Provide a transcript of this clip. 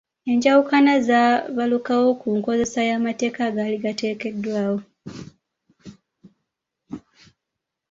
Enjawukana zaabalukawo ku nkozesa y’amateeka agaali gateekeddwawo.